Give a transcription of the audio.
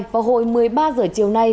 vào hồi một mươi ba h chiều nay